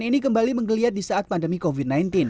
ini kembali menggeliat di saat pandemi covid sembilan belas